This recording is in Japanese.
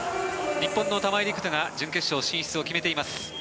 日本の玉井陸斗が準決勝進出を決めています。